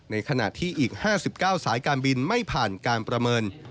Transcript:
ในขณะที่อีก๕๙สายการบินไม่ผ่านการประเมิน